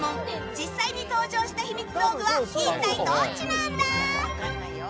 実際に登場したひみつ道具は一体どっちなんだ？